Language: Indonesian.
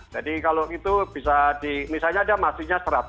jadi kalau itu bisa di misalnya ada masingnya seratus